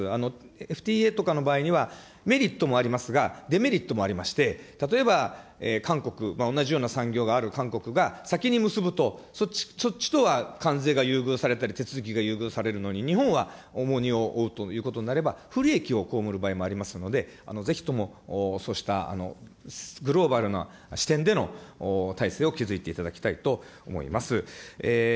ＦＴＡとかの場合には、メリットもありますが、デメリットもありまして、例えば韓国、同じような産業がある韓国が先に結ぶと、そっちとは関税が優遇されたり手続きが優遇されるのに、日本は重荷を負うということになれば不利益を被る場合もありますので、ぜひともそうしたグローバルな視点での体制を築いていただきたいと思います。